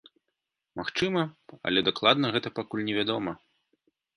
Магчыма, але дакладна гэта пакуль не вядома.